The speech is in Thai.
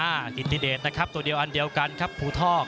อ่าคิตตีเดทนะครับตัวเดียวอันเดียวกันครับผู้ทอบ